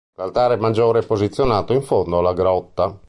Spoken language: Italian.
L'altare maggiore è posizionato in fondo alla grotta.